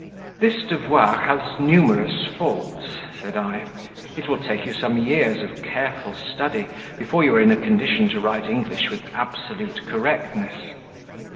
"This devoir has numerous faults," said I. "It will take you some years of careful study before you are in a condition to write English with absolute correctness.